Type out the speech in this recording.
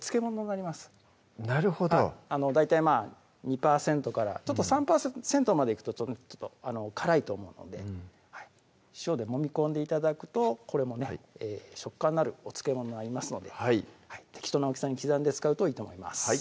なるほど大体まぁ２％からちょっと３％までいくとちょっと辛いと思うので塩でもみ込んで頂くとこれもね食感のあるお漬物になりますので適当な大きさに刻んで使うといいと思います